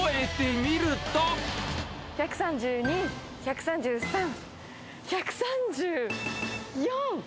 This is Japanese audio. １３２、１３３、１３４。